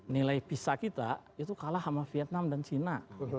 nilai visa kita itu kalah sama vietnam dan china